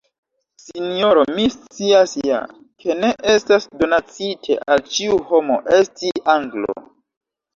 sinjoro, mi scias ja, ke ne estas donacite al ĉiu homo, esti Anglo.